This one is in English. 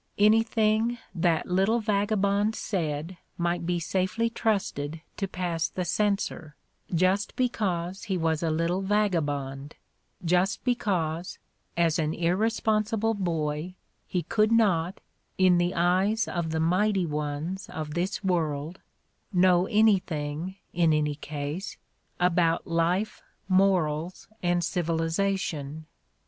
Anything that little vagabond said might be safely trusted to pass the censor, just because he was a little vagabond, just because, as an irresponsi ble boy, he could not, in the eyes of the mighty ones of this world, know anything in any case about life, morals and civilization.